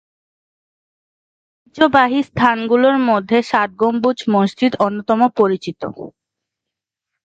ঐতিহ্যবাহী স্থানগুলোর মধ্যে ষাট গম্বুজ মসজিদ অন্যতম পরিচিত।